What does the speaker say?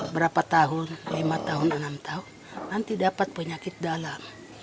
berapa tahun lima tahun enam tahun nanti dapat penyakit dalam